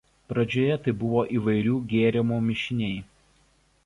Pradžioje tai buvo įvairių gėrimų mišiniai.